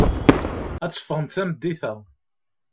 Ad teffɣemt tameddit-a.